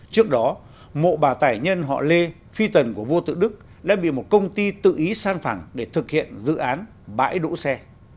trước đó mộ bà tải nhân họ lê phi tần của vua tự đức đã bị một công ty tự ý san phẳng để thực hiện dự án bãi đỗ xe